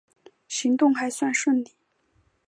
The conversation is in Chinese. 行动还算顺利